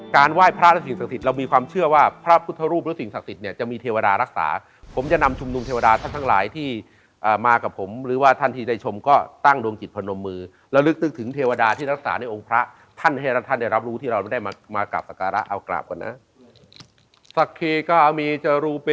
ไหว้พระและสิ่งศักดิ์สิทธิ์เรามีความเชื่อว่าพระพุทธรูปหรือสิ่งศักดิ์สิทธิ์เนี่ยจะมีเทวดารักษาผมจะนำชุมนุมเทวดาท่านทั้งหลายที่มากับผมหรือว่าท่านที่ได้ชมก็ตั้งดวงจิตพนมมือแล้วลึกนึกถึงเทวดาที่รักษาในองค์พระท่านให้ท่านได้รับรู้ที่เราได้มากราบสการะเอากราบก่อนนะ